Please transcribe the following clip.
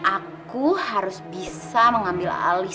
aku harus bisa mengambil alih